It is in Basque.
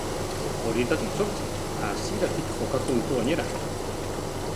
Horietatik zortzi, hasieratik jokatu ditu gainera.